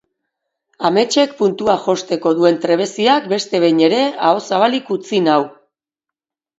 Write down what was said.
Ametsek puntuak josteko duen trebeziak beste behin ere aho zabalik utzi nau.